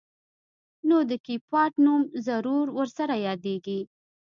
نو د کيپات نوم ضرور ورسره يادېږي.